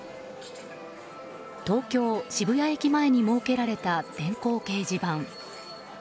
東京・渋谷駅前に設けられた電光掲示板。